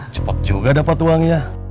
cepet juga dapat uangnya